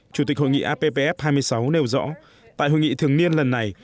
chủ tịch hội nghị appf hai mươi sáu nêu rõ tại hội nghị thường niên lần này